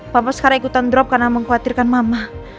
papa sekarang ikutan drop karena mengkhawatirkan mama